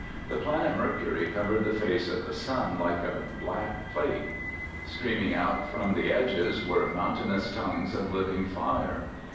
The planet Mercury covered the face of the sun like a black plate. Streaming out from the edges were mountainous tongues of living fire.